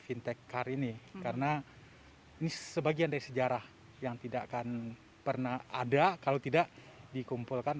fintech car ini karena ini sebagian dari sejarah yang tidak akan pernah ada kalau tidak dikumpulkan